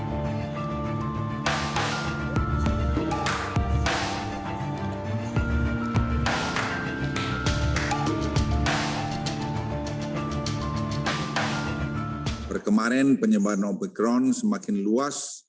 kemarin penyebaran omicron semakin luas